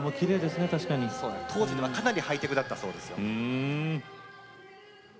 当時ではかなりハイテクだったそうです。